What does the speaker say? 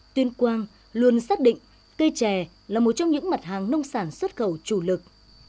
tuyên quang luôn xác định cây chè là một trong những mặt hàng nông sản xuất khẩu chủ lực